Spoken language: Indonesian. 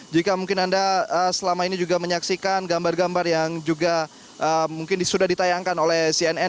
jika mungkin anda selama ini juga menyaksikan gambar gambar yang juga mungkin sudah ditayangkan oleh cnn